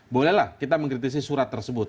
bolehlah kita mengkritisi surat tersebut